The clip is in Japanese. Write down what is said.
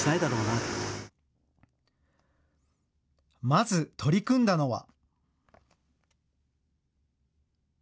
まず、取り組んだのは。